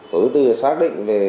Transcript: tổ thứ bốn là xác định